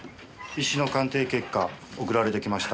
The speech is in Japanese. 石の鑑定結果送られてきました。